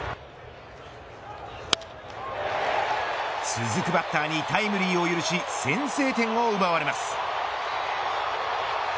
続くバッターにタイムリーを許し先制点を奪われます。